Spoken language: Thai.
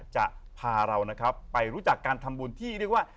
จะพาเรานะครับไปรู้จักการทำบุญที่เรียกว่า